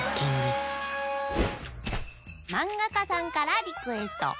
まんがかさんからリクエスト。